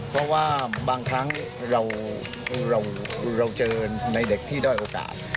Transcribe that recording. เพราะว่าบางครั้งเราเจอในเด็กที่ด้อยโอกาส